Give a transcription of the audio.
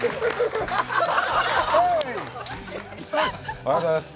おはようございます！